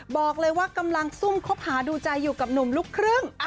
บอกเลยว่ากำลังซุ่มคบหาดูใจอยู่กับหนุ่มลูกครึ่ง